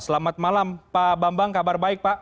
selamat malam pak bambang kabar baik pak